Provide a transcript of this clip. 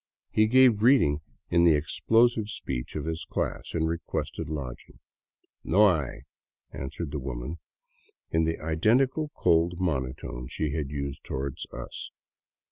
He gave greeting in the explosive speech of his class and requested lodging. " No hay," answered the woman, in the identical cold monotone she had used toward us.